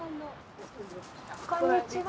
こんにちは。